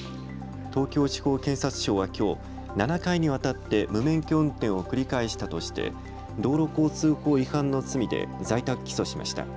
東京地方検察庁はきょう７回にわたって無免許運転を繰り返したとして道路交通法違反の罪で在宅起訴しました。